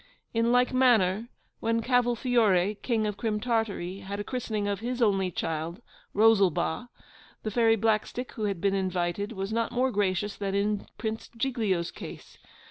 In like manner, when CAVOLFIORE, King of Crim Tartary, had a christening of his only child, ROSALBA, the Fairy Blackstick, who had been invited, was not more gracious than in Prince Giglio's case.